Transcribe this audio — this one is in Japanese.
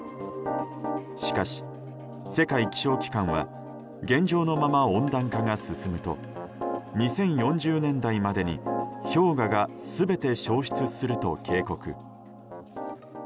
しかし、世界気象機関は現状のまま温暖化が進むと２０４０年代までに氷河が全て消失すると警告。